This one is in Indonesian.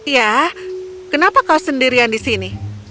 ya kenapa kau sendirian di sini